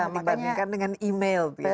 dibandingkan dengan email gitu